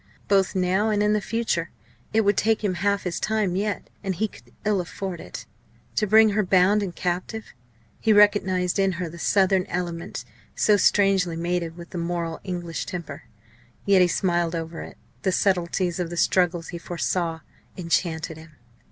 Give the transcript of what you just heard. Both now and in the future. It would take him half his time yet and he could ill afford it to bring her bound and captive. He recognised in her the southern element, so strangely mated with the moral English temper. Yet he smiled over it. The subtleties of the struggle he foresaw enchanted him.